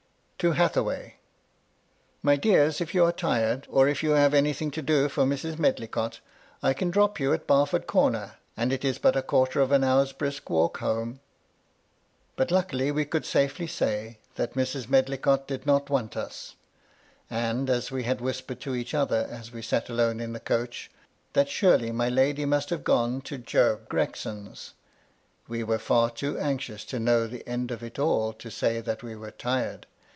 " To Hathaway. My dears, if you are tired, or if you have anything to do for Mrs. Medlicott, I can drop you at Barford Corner, and it is but a quarter of an hour's brisk walk home ?" But luckily we could safely say that Mrs. Medlicott did not want us; and as we had whispered to each other, as we sat alone in the coach, that surely my lady must have gone to Job Gregson's, we were far too anxious to know the end of it all to say that we were tired.